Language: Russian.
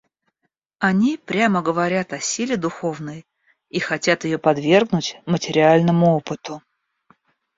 Они прямо говорят о силе духовной и хотят ее подвергнуть материальному опыту.